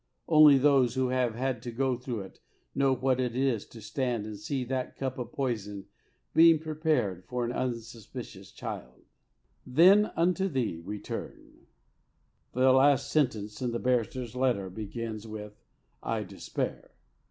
Only those who have had to go through it know what it is to stand and see that cup of poison being prepared for an unsuspicious child. The last sentence in the barrister's letter begins with "I despair."